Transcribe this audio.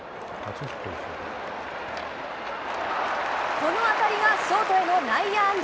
この当たりがショートへの内野安打。